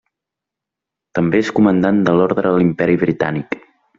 També és Comandant de l'Orde de l'Imperi Britànic.